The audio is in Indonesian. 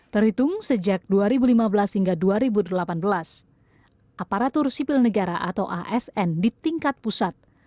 terhitung sejak dua ribu lima belas hingga dua ribu delapan belas aparatur sipil negara atau asn di tingkat pusat